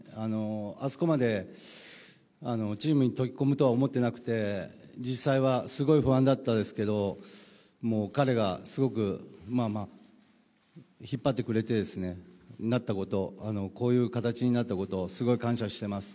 あそこまでチームに溶け込むとは思っていなくて実際はすごい不安だったですけど彼がすごく、引っ張ってくれて、こういう形になったこと、すごい感謝しています。